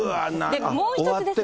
もう１つですね。